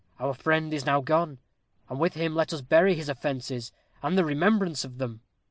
Our friend is now gone, and with him let us bury his offences, and the remembrance of them.